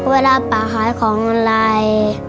เวลาป่าขายของออนไลน์